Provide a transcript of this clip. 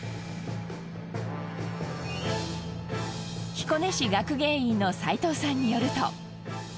彦根市学芸員の斎藤さんによると。